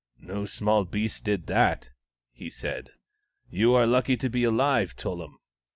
" No small beast did that," he said. " You are lucky to be alive, Tullum."